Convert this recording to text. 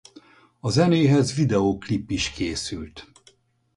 A zenéhez videó klip is készült.